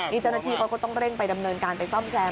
อีกจนนาทีก็ต้องเร่งไปดำเนินการไปซ่อมแซม